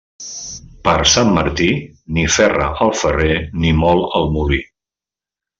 Per Sant Martí, ni ferra el ferrer ni mol el molí.